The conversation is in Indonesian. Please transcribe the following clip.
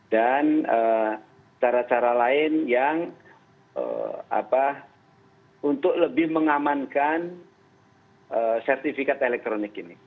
dan cara cara lain yang untuk lebih mengamankan sertifikat elektronik ini